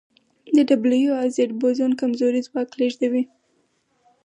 د ډبلیو او زیډ بوزون کمزوری ځواک لېږدوي.